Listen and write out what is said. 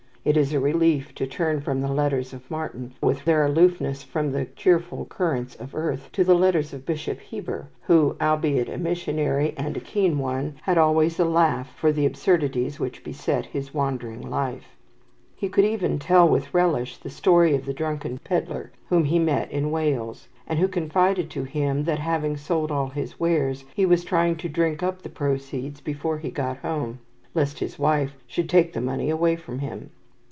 It is a relief to turn from the letters of Martyn, with their aloofness from the cheerful currents of earth, to the letters of Bishop Heber, who, albeit a missionary and a keen one, had always a laugh for the absurdities which beset his wandering life. He could even tell with relish the story of the drunken pedlar whom he met in Wales, and who confided to him that, having sold all his wares, he was trying to drink up the proceeds before he got home, lest his wife should take the money away from him.